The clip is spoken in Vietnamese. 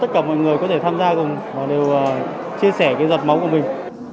cho tất cả mọi người có thể tham gia cùng họ đều chia sẻ giọt máu của mình